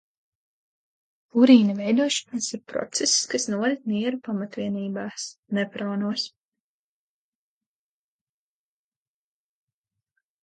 Urīna veidošanās ir process, kas norit nieru pamatvienībās – nefronos.